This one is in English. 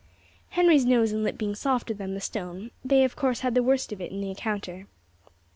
Henry's nose and lip being softer than the stone, they of course had the worst of it in the encounter.